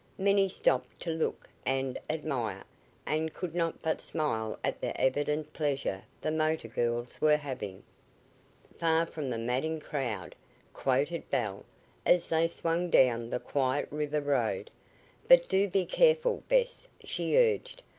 Many stopped to look and admire and could not but smile at the evident pleasure the motor girls were having. "`Far from the maddening crowd,'" quoted Belle as they swung down the quiet river road. "But do be careful, Bess," she urged.